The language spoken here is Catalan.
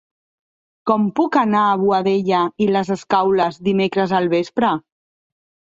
Com puc anar a Boadella i les Escaules dimecres al vespre?